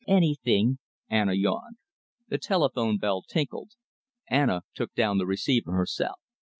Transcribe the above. "Anything," Anna yawned. The telephone bell tinkled. Anna took down the receiver herself.